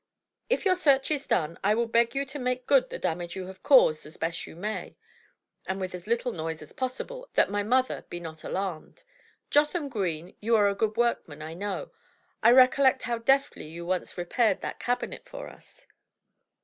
If your search is done, I will beg you to make good the damage you have caused as best you may, and with as little noise as possible, that my mother be not alarmed. Jotham Green, you are a good workman, I know. I recollect how deftly you once repaired that cabinet for us."